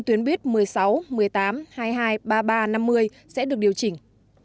tuyến buýt một mươi sáu một mươi tám hai mươi hai ba mươi ba năm mươi sẽ được điều chỉnh